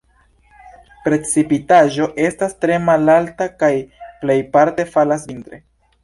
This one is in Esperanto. Precipitaĵo estas tre malalta kaj plejparte falas vintre.